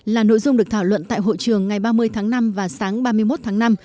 là nội dung được thảo luận tại hội trường ngày ba mươi tháng năm và sáng ba mươi một tháng năm